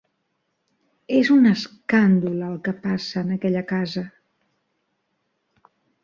És un escàndol el que passa en aquella casa.